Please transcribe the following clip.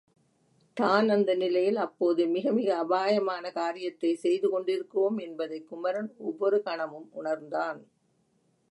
தான் அந்த நிலையில் அப்போது மிகமிக அபாயமான காரியத்தைச் செய்து கொண்டிருக்கிறோம் என்பதைக் குமரன் ஒவ்வொரு கணமும் உணர்ந்தான்.